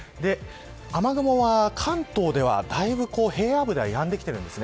雨雲は関東では平野部ではやんできているんです。